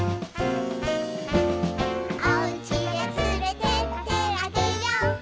「おうちへつれてってあげよ」